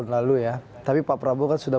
lalu ya tapi pak prabowo kan sudah